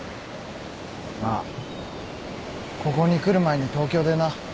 ああここに来る前に東京でな。